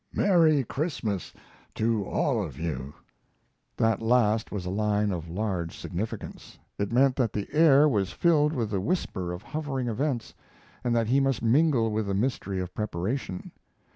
Merry Christmas to all of you!" That last was a line of large significance. It meant that the air was filled with the whisper of hovering events and that he must mingle with the mystery of preparation.